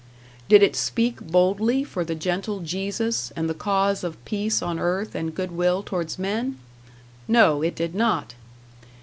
Did it speak boldly for the gentle Jesus, and the cause of peace on earth and good will towards men? No, it did not.